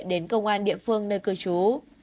đến công an địa phương nơi cư trú